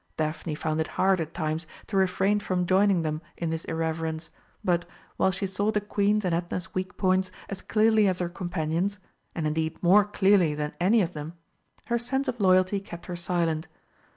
Daphne found it hard at times to refrain from joining them in this irreverence, but, while she saw the Queen's and Edna's weak points as clearly as her companions and indeed more clearly than any of them her sense of loyalty kept her silent.